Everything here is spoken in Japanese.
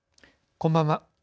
こんばんは。